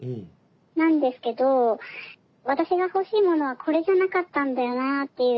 なんですけど私が欲しいものはこれじゃなかったんだよなっていう。